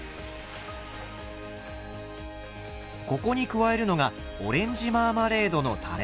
ここに加えるのがオレンジマーマレードのたれ。